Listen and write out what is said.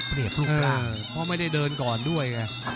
เพราะไม่ได้เดินก่อนด้วย